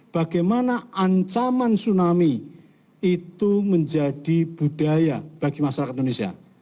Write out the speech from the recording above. bagaimana ancaman tsunami itu menjadi budaya bagi masyarakat indonesia